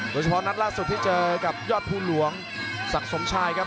โดยเฉพาะนัดล่าสุดที่เจอกับยอดภูหลวงศักดิ์สมชายครับ